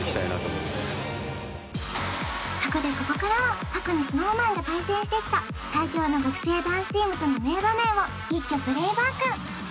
そこでここからは過去にＳｎｏｗＭａｎが対戦してきた最強の学生ダンスチームとの名場面を一挙プレイバック！